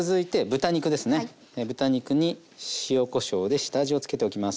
豚肉に塩こしょうで下味をつけておきます。